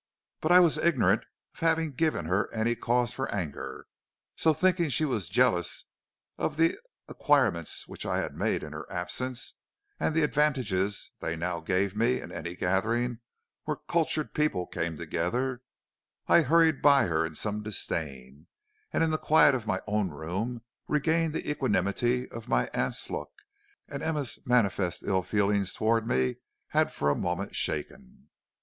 But I was ignorant of having given her any cause for anger; so, thinking she was jealous of the acquirements which I had made in her absence, and the advantages they now gave me in any gathering where cultured people came together, I hurried by her in some disdain, and in the quiet of my own room regained the equanimity my aunt's look and Emma's manifest ill feeling towards me had for a moment shaken.